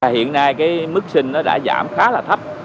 hiện nay cái mức sinh nó đã giảm khá là thấp